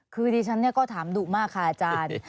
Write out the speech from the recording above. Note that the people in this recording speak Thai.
คือดิฉันก็ถามดุมากค่ะอาจารย์